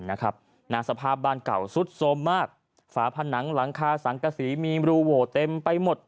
ชึมสนาสภาพบ้านเก่าซุดมากฝาผ่านหลังคาสังกษีมีบรูโห่เต็มไปหมด